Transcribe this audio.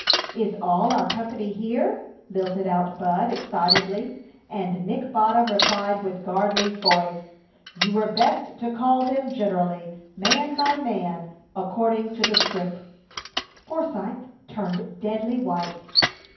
"Is all our company here?" lilted out Bud, excitedly, and Nick Bottom replied with Gardley's voice: "You were best to call them generally, man by man, according to the scrip." Forsythe turned deadly white.